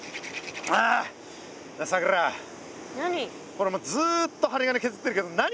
これもうずっと針金削ってるけど何？